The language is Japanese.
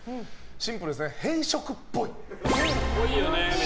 シンプルですね、偏食っぽい。